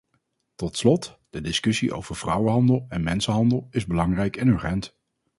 Tot slot, de discussie over vrouwenhandel en mensenhandel is belangrijk en urgent.